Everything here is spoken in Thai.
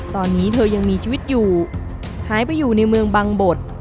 ตอนนี้เธอยังมีชีวิตอยู่หายไปอยู่ในเมืองบังบด